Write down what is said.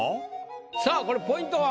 さあこれポイントは？